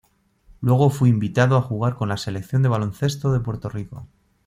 Luego fue invitado a jugar con la Selección de baloncesto de Puerto Rico.